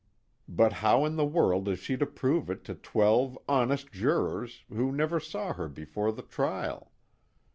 But how in the world is she to prove it to twelve honest jurors who never saw her before the trial?